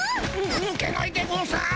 ぬけないでゴンス。